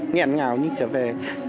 ngẹn ngào như trở về